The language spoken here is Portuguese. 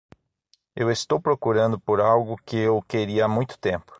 Eu estou procurando por algo que eu queria há muito tempo.